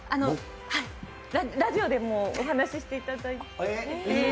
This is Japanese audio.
ラジオでもお話ししていただいて。